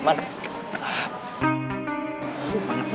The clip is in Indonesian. masa lo nyerah mas